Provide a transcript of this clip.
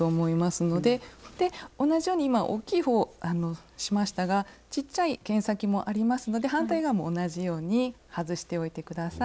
で同じように今おっきい方をしましたがちっちゃい剣先もありますので反対側も同じように外しておいて下さい。